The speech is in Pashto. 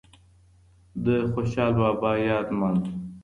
د خوشحال بابا یاد نمانځو